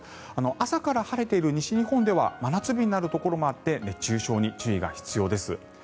朝から晴れている西日本では真夏日になるところもあって熱中症に注意が必要です。